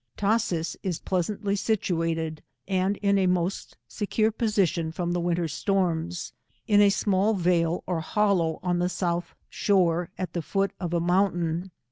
Tashees is pleasantly situated and in a most se cure position from the winter storms, in a small vale or hollow on the south shore, at the foot of a mountain.